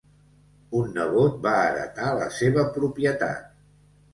Un nebot va heretar la seva propietat.